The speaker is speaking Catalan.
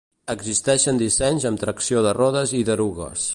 Existeixen dissenys amb tracció de rodes i d'erugues.